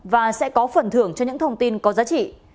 và sẽ có phần thưởng cho những thông tin có giá trị